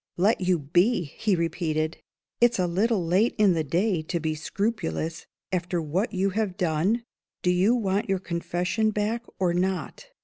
"Let you be!" he repeated. "It's a little late in the day to be scrupulous, after what you have done. Do you want your Confession back, or not?"